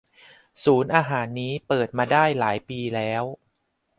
ศูนย์อาหารนี้เปิดมาได้หลายปีแล้ว